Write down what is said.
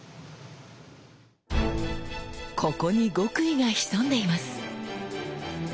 ここに極意が潜んでいます。